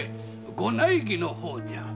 ご内儀の方じゃ。